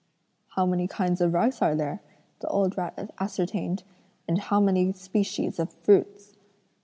'How many kinds of rice are there?' the old rat ascertained, 'and how many species of fruits?'